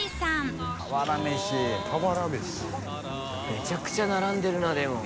めちゃくちゃ並んでるなでも。